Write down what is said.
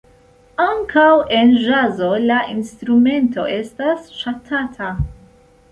Ankaŭ en ĵazo la instrumento estas ŝatata.